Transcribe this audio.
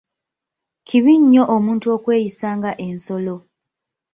Kibi nnyo omuntu okweyisa nga ensolo!